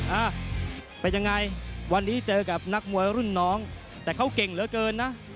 อ่าเป็นยังไงวันนี้เจอกับนักมวยรุ่นน้องแต่เขาเก่งเหลือเกินนะ